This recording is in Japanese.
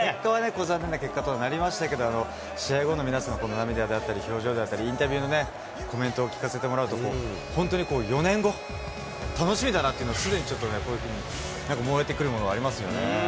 残念な結果とはなりましたけど、試合後の皆さんのこの涙だったり、表情だったり、インタビューのコメントを聞かせてもらうと、本当に４年後、楽しみだなっていうのを、すでにちょっとね、こういうふうになんか燃えてくるものがありますよね。